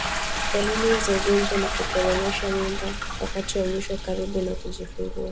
Dalili za ugonjwa ni kuporomosha mimba wakati wa mwisho karibu na kujifungua